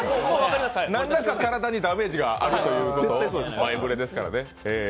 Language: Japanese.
何らか体にダメージがあるということの前触れですからね。